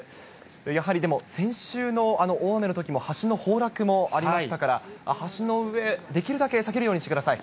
やはりでも、先週のあの大雨のときも、橋の崩落もありましたから、橋の上、できるだけ避けるようにしてください。